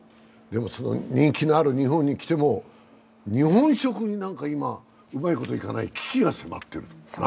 人気のある日本に来ても、日本食に今、うまいこといかない危機が迫っていると。